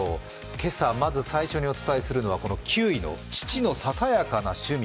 今朝、まず最初にお伝えするのはこの９位の父のささやかな趣味。